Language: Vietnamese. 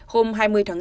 hôm hai mươi tháng